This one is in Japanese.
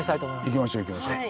行きましょう行きましょう。